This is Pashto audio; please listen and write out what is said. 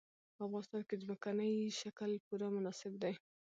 په افغانستان کې د ځمکني شکل لپاره طبیعي شرایط پوره مناسب دي.